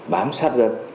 bám sát dân